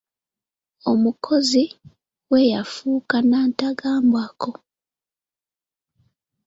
Omukozi we yafuuka nantagambwako.